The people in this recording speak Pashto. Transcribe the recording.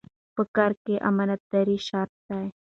په کار کې امانتداري شرط ده.